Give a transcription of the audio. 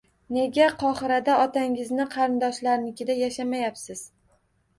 Nega Qohirada otangizning qarindoshlarinikida yashamayapsiz